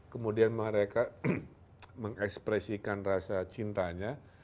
kemudian mereka mengekspresikan rasa cintanya